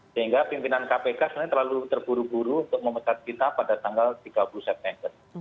sehingga pimpinan kpk sebenarnya terlalu terburu buru untuk memecat kita pada tanggal tiga puluh september